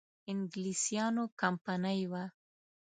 انګلیسیانو کمپنی وه.